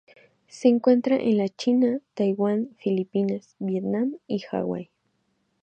Se encuentra en la China, Taiwán, Filipinas, Vietnam y Hawaii.